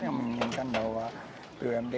yang menginginkan bahwa bumd